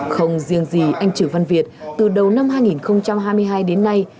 không riêng gì anh chử văn việt từ đầu năm hai nghìn hai mươi hai đến nay